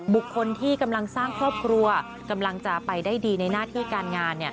บุคคลที่กำลังสร้างครอบครัวกำลังจะไปได้ดีในหน้าที่การงาน